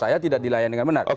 saya tidak dilayani dengan benar